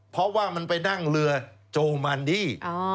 เพราะว่ามันไปนั่งเรือโจมันดี้